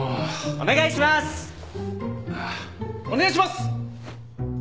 お願いします！